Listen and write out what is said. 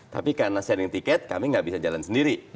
tapi karena sharing tiket kami nggak bisa jalan sendiri